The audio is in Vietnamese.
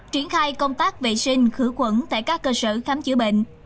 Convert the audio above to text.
triển khai công tác vệ sinh khử khuẩn tại các cơ sở khám chữa bệnh